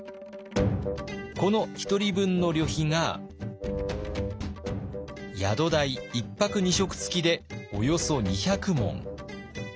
この１人分の旅費が宿代１泊２食付きでおよそ２００文。